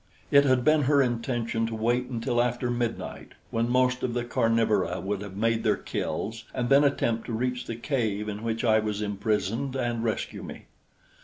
It had been her intention to wait until after midnight, when most of the carnivora would have made their kills, and then attempt to reach the cave in which I was imprisoned and rescue me.